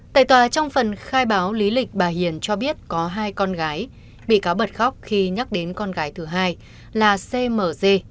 tại tòa trong phần khai báo lý lịch bà hiền cho biết có hai con gái bị cáo bật khóc khi nhắc đến con gái thứ hai là cmc